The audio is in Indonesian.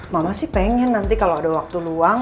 mama sih pengen nanti kalau ada waktu luang